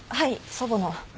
祖母の。